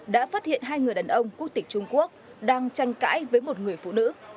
đã phát hiện hai người đàn ông quốc tịch trung quốc đang tranh cãi với một người phụ nữ